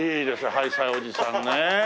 『ハイサイおじさん』ね。